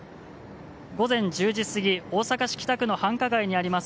午前１０時過ぎ大阪市北区の繁華街にあります